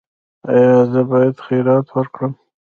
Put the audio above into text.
ایا زه باید خیرات ورکړم؟